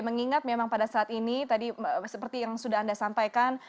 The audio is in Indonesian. mengingat memang pada saat ini tadi seperti yang sudah anda sampaikan